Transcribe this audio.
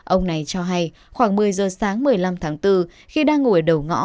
ông này cho hay khoảng một mươi giờ sáng một mươi năm tháng bốn khi đang ngồi đầu ngõ